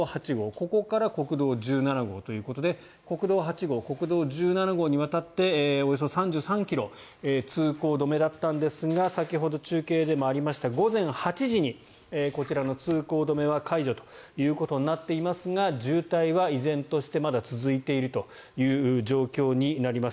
ここから国道１７号ということで国道８号、国道１７号にわたっておよそ３３ｋｍ通行止めだったんですが先ほど中継でもありました午前８時にこちらの通行止めは解除ということになっていますが渋滞は依然としてまだ続いているという状況になります。